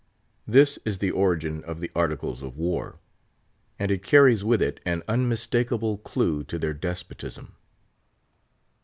This is the origin of the Articles of War; and it carries with it an unmistakable clew to their despotism.